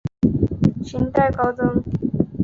清代高僧。